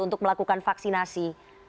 untuk melakukan vaksinasi